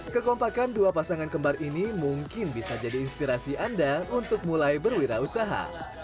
kekompakan dua pasangan kembar ini mungkin bisa jadi inspirasi anda untuk mulai berwirausaha